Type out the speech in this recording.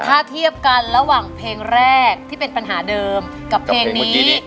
ถ้าเทียบกันระหว่างเพลงแรกที่เป็นปัญหาเดิมกับเพลงนี้